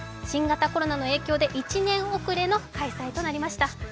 新型コロナの影響で１年遅れの開催となりました。